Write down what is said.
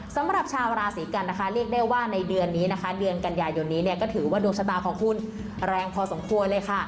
สำหรับชาวราศีกันนะคะเรียกได้ว่าในเดือนนี้นะคะเดือนกันยายนนี้เนี่ยก็ถือว่าดวงชะตาของคุณแรงพอสมควรเลยค่ะ